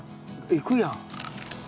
いくやん。